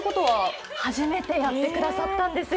初めてやってくださったんですよ